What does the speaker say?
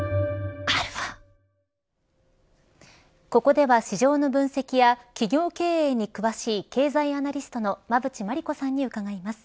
ここでは市場の分析や企業経営に詳しい経済アナリストの馬渕磨理子さんに伺います。